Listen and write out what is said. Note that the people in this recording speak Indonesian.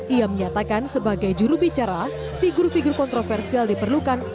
ia menyatakan sebagai jurubicara figur figur kontroversial diperlukan